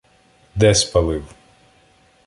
— Де спалив?